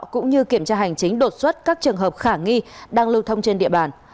cũng như kiểm tra hành chính đột xuất các trường hợp khả nghi đang lưu thông trên địa bàn